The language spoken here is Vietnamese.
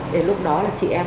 để lúc đó là chị em